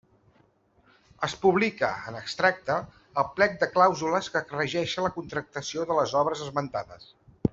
Es publica, en extracte, el plec de clàusules que regeixen la contractació de les obres esmentades.